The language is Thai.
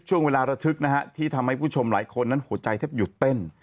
ระทึกนะฮะที่ทำให้ผู้ชมหลายคนนั้นหัวใจแทบหยุดเต้น